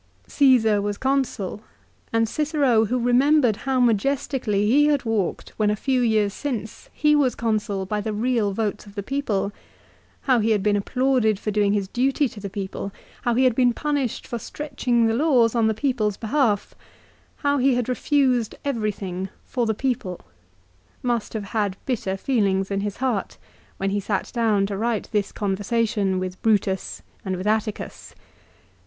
Caesar was Consul, and Cicero, who remembered how majestically he had walked when a few years since he was Consul by the real votes of the people, how he had been applauded for doing his duty to the people, how he had been punished for stretching the laws on the people's behalf, how he had refused everything for the people, must have had bitter feelings in his heart when he sat down to write this conversation with Brutus and with Atticus.